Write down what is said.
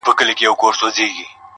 هره لوېشت مي د نيکه او بابا ګور دی؛